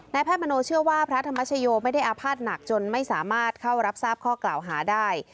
แพทย์มโนเชื่อว่าพระธรรมชโยไม่ได้อาภาษณ์หนักจนไม่สามารถเข้ารับทราบข้อกล่าวหาได้